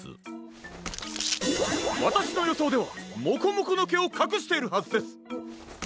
わたしのよそうではモコモコのけをかくしているはずです。